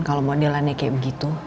kalau modelannya kayak begitu